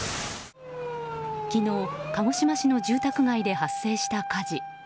昨日、鹿児島市の住宅街で発生した火事。